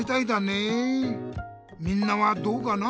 みんなはどうかな？